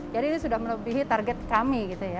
jadi ini sudah melebihi target kami